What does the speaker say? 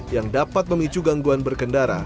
yang dapat memicu gangguan berkendara